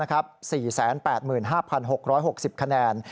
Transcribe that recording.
๔๘๕๖๖๐คะแนน